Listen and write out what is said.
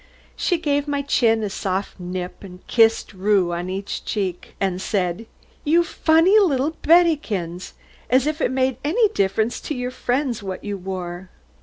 She gave my chin a soft nip and kissed rue on each cheek, and said, "You funny little Bettykins! As if it made any difference to your friends what you wore."